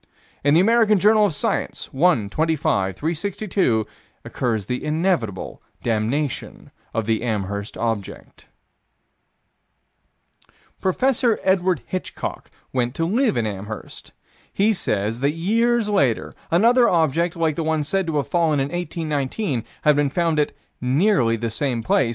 In the American Journal of Science, 1 25 362, occurs the inevitable damnation of the Amherst object: Prof. Edward Hitchcock went to live in Amherst. He says that years later, another object, like the one said to have fallen in 1819, had been found at "nearly the same place."